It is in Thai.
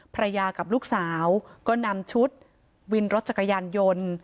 ภรรยากับลูกสาวก็นำชุดวินรถจักรยานยนต์